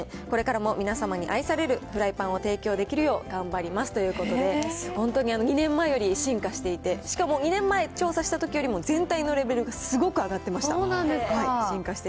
これからも皆様に愛されるフライパンを提供できるよう頑張りますということで、本当に２年前より進化していて、しかも２年前調査したときよりも全体のレベルがすごく上がってまそうなんですか。